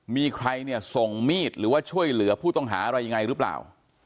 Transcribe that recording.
มีใครเนี่ยส่งมีดหรือว่าช่วยเหลือผู้ต้องหาอะไรยังไงหรือเปล่า